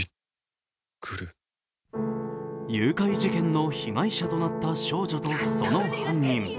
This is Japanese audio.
誘拐事件の被害者となった少女とその犯人。